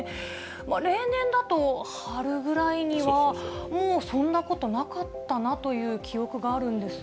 例年だと、春ぐらいにはもうそんなことなかったなという記憶があるんですが。